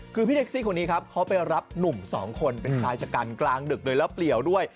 คือพี่แท็กซี่คนนี้ครับเขาไปรับหนุ่มสองคนเป็นชายชะกันกลางดึกเลยแล้วเปลี่ยวด้วย